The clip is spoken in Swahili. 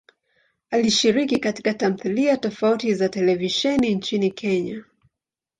Alishiriki katika tamthilia tofauti za televisheni nchini Kenya.